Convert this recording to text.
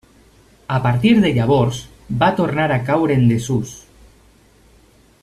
A partir de llavors va tornar a caure en desús.